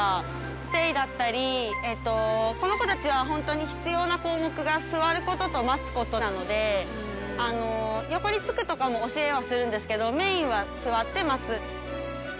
ステイだったりこの子たちはホントに必要な項目が座ることと待つことなので横につくとかも教えはするんですけどメインは座って待つ。